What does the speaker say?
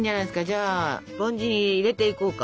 じゃあスポンジに入れていこうか。